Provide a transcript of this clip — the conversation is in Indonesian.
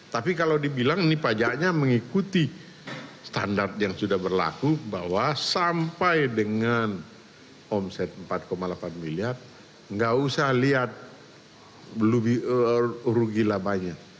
tapi kalau dibilang ini pajaknya mengikuti standar yang sudah berlaku bahwa sampai dengan omset empat delapan miliar nggak usah lihat rugi labanya